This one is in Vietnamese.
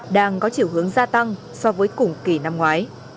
đang có chiều hướng gia tăng so với cùng kỳ năm ngoái